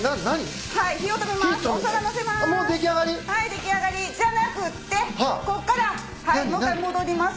出来上がりじゃなくってこっからもう一回戻ります。